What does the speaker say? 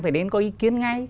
phải đến có ý kiến ngay